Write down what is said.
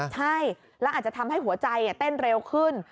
ใช่แล้วอาจจะทำให้หัวใจเต้นเร็วขึ้น